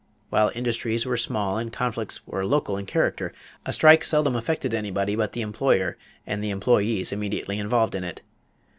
While industries were small and conflicts were local in character, a strike seldom affected anybody but the employer and the employees immediately involved in it.